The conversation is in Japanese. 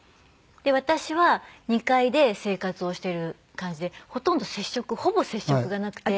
で私は２階で生活をしている感じでほとんど接触ほぼ接触がなくて。